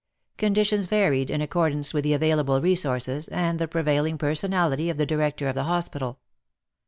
Con ditions varied in accordance with the available resources and the prevailing personality of the director of the hospital.